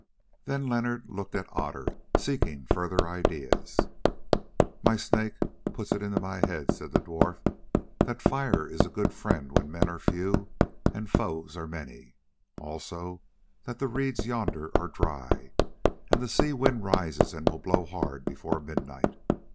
Then Leonard looked at Otter, seeking further ideas. "My snake puts it into my head," said the dwarf, "that fire is a good friend when men are few and foes are many; also that the reeds yonder are dry, and the sea wind rises and will blow hard before midnight.